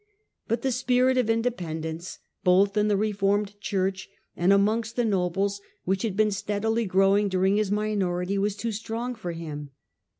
But the spirit of independence, both in the reformed Church and amongst the nobles, which had been steadily growing during his minority, was too strong for him.